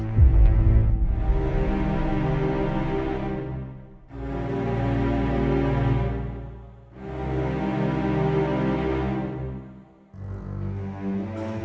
ibu macam apa begini